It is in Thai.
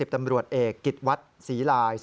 ตำรวจเอกกิจวัตรศรีลาย